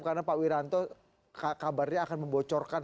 karena pak wiranto kabarnya akan membocorkan